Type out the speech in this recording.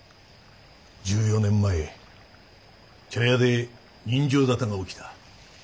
１４年前茶屋で刃傷沙汰が起きた。